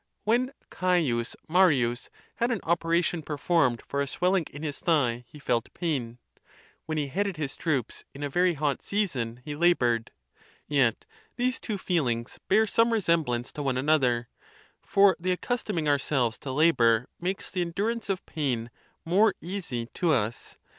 When Caius Marius had an operation performed for a swelling in his thigh, he felt pain; when he headed his troops in a very hot season, he labored. Yet these two feelings bear some resemblance to one another; for the accustoming ourselves to labor makes the endurance of pain more easy to us.